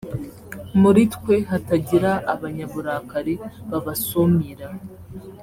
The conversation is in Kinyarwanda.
muri twe hatagira abanyaburakari babasumira